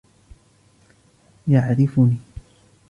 يعرفني.